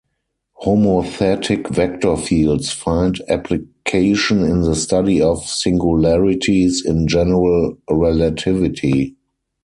Homothetic vector fields find application in the study of singularities in general relativity.